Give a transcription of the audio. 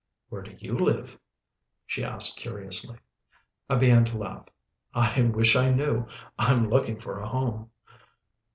"Where do you live?" she asked curiously. I began to laugh. "I wish I knew. I'm looking for a home."